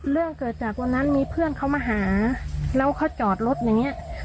เรื่องเกิดจากวันนั้นมีเพื่อนเขามาหาแล้วเขาจอดรถอย่างเงี้ย